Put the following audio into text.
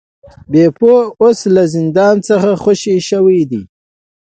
بیپو اوس له زندان څخه خوشې شوی دی.